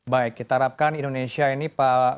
baik kita harapkan indonesia ini pak